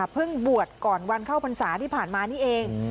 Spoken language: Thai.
บวชก่อนวันเข้าพรรษาที่ผ่านมานี่เอง